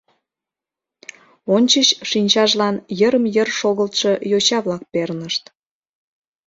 Ончыч шинчажлан йырым-йыр шогылтшо йоча-влак пернышт.